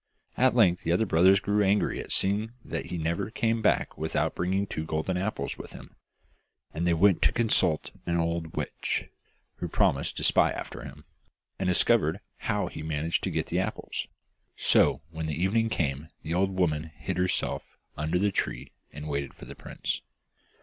At length the other brothers grew angry at seeing that he never came back without bringing two golden apples with him, and they went to consult an old witch, who promised to spy after him, and discover how he managed to get the apples. So, when the evening came, the old woman hid herself under the tree and waited for the prince.